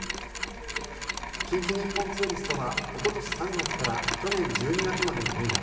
近畿日本ツーリストはおととし３月から去年１２月までの間